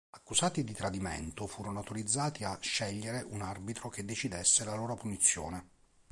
Accusati di tradimento, furono autorizzati a scegliere un arbitro che decidesse la loro punizione.